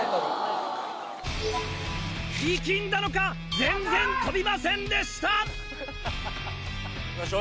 力んだのか全然飛びませんでした。